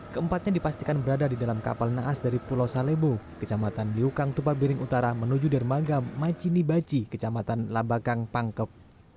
keempatnya dipastikan berada di dalam kapal naas dari pulau salebo kecamatan liukang tupabiring utara menuju dermaga macini baci kecamatan labakang pangkep